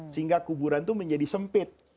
sehingga kuburan itu menjadi sempit